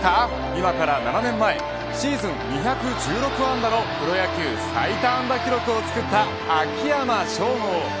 今から７年前シーズン２１６安打のプロ野球最多安打記録を作った秋山翔吾。